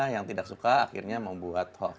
yang tidak suka akhirnya membuat hoax